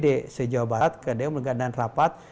dari jawa barat ke dum dan rapat